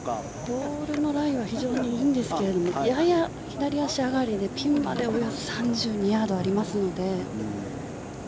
ボールのライは非常にいいんですけれどもやや左足上がりでピンまでおよそ３２ヤードありますので。